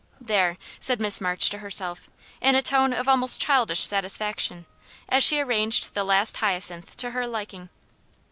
"There," said Miss March to herself, in a tone of almost childish satisfaction, as she arranged the last hyacinth to her liking.